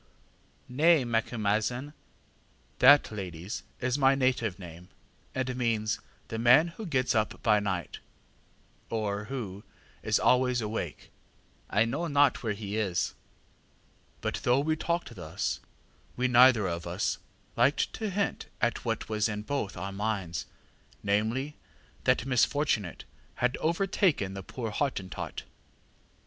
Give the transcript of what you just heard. ŌĆÖ ŌĆ£ŌĆśNay, MacumazahnŌĆÖ (that, ladies, is my native name, and means the man who ŌĆśgets up by night, ŌĆÖ or who ŌĆśis always awakeŌĆÖ), ŌĆśI know not where he is. ŌĆÖ ŌĆ£But though we talked thus, we neither of us liked to hint at what was in both our minds, namely, that misfortunate had overtaken the poor Hottentot.